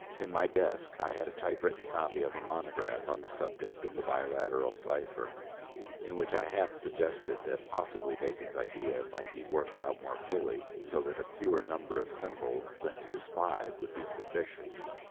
In my desk I had a typewritten copy of a monograph on the subject of the Biliteral cipher, in which I half suggested that possibly Bacon's idea might be worked out more fully so that a fewer number of symbols than his five would be sufficient.